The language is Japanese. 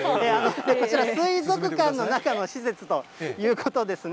こちら、水族館の中の施設ということですね。